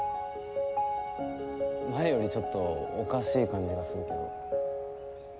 前よりちょっとおかしい感じがするけど。